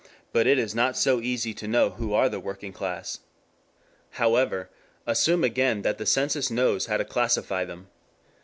But it is not so easy to know who are the working class. However, assume again that the census knows how to classify them.